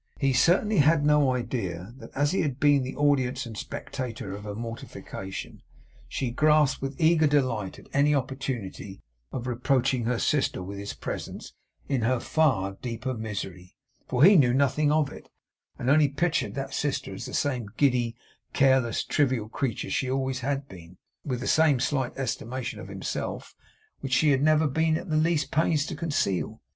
He certainly had no idea that as he had been the audience and spectator of her mortification, she grasped with eager delight at any opportunity of reproaching her sister with his presence in HER far deeper misery; for he knew nothing of it, and only pictured that sister as the same giddy, careless, trivial creature she always had been, with the same slight estimation of himself which she had never been at the least pains to conceal.